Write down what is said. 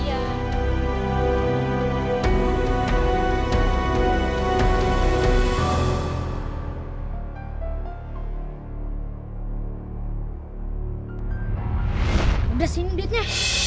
udah sih ini duitnya